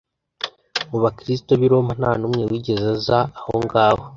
Mu Bakristo b’i Roma nta n’umwe wigeze aza aho ngaho